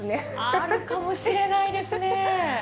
あるかもしれないですねぇ。